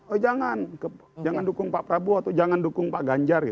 oh jangan dukung pak prabowo atau jangan dukung pak ganjar